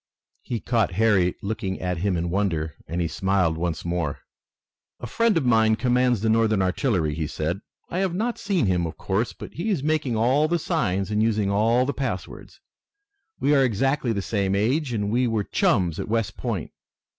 He caught Harry looking at him in wonder, and he smiled once more. "A friend of mine commands the Northern artillery," he said. "I have not seen him, of course, but he is making all the signs and using all the passwords. We are exactly the same age, and we were chums at West Point.